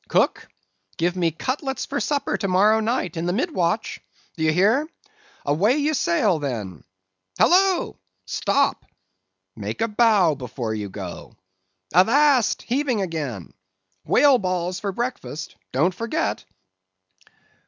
"Cook, give me cutlets for supper to morrow night in the mid watch. D'ye hear? away you sail, then.—Halloa! stop! make a bow before you go.—Avast heaving again! Whale balls for breakfast—don't forget."